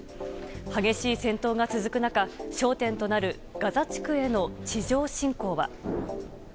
激しい戦闘が続く中、焦点となるガザ地区への地上侵攻は。